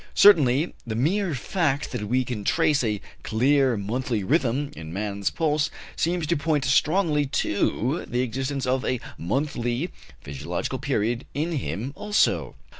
Certainly the mere fact that we can trace a clear monthly rhythm in man's pulse seems to point strongly to the existence of a monthly physiological period in him also."